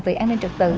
về an ninh trật tự